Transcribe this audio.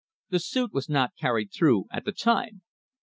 The suit was not carried through at the time.